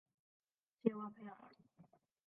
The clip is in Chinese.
佩旺谢尔。